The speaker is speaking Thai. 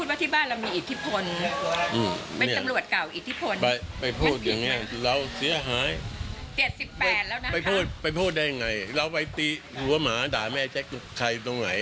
เราคิดว่าจะไปมีปัญญาไงแล้วที่บ้านไม่เคย